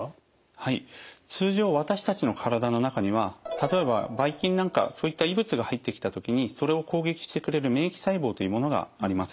はい通常私たちの体の中には例えばばい菌なんかそういった異物が入ってきた時にそれを攻撃してくれる免疫細胞というものがあります。